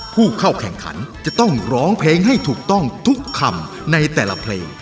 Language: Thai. ผู้เข้าแข่งขันจะต้องร้องเพลงให้ถูกต้องทุกคำในแต่ละเพลง